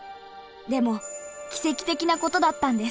でも奇跡的なことだったんです。